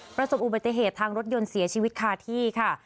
ประสบอุบัติเหตุทางรถยนต์เสียชีวิตคาที่ค่ะ